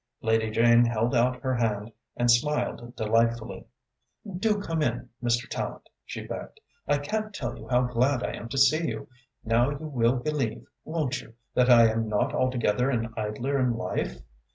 Lady Jane held out her hand and smiled delightfully. "Do come in, Mr. Tallente," she begged. "I can't tell you how glad I am to see you. Now you will believe, won't you, that I am not altogether an idler in life?